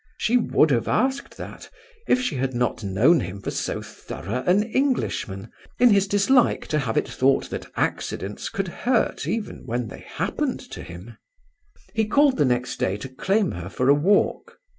She would have asked that, if she had not known him for so thorough an Englishman, in his dislike to have it thought that accidents could hurt even when they happened to him. He called the next day to claim her for a walk.